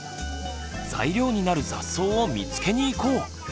材料になる雑草を見つけに行こう！